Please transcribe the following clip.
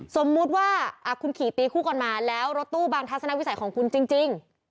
สมมุติว่าคุณขี่ตีคู่กันมาแล้วรถตู้บางทัศนวิสัยของคุณจริง